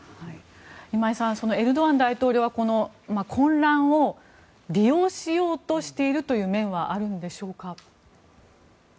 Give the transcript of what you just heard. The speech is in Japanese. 今井さんエルドアン大統領は混乱を利用しようとしているという面はあるのでしょうか。